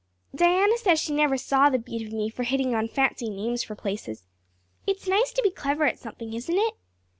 Diana says she never saw the beat of me for hitting on fancy names for places. It's nice to be clever at something, isn't it?